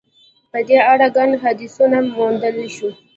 په دې اړه ګڼ حدیثونه موندلای شو.